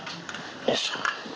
よいしょ。